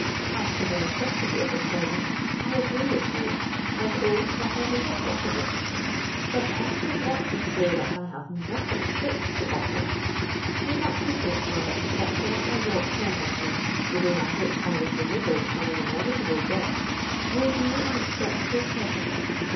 As to the necessity of a present, I agree with you, and own that I never thought of it; but as to what you say that I have nothing fit to offer, do not you think, mother, that what I brought home with me the day on which I was delivered from an inevitable death, may be an acceptable present?